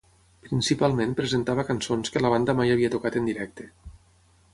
Principalment presentava cançons que la banda mai havia tocat en directe.